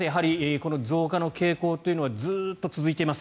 この増加の傾向というのはずっと続いています。